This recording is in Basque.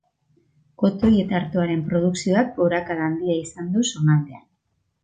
Kotoi eta artoaren produkzioak gorakada handia izan du zonaldean.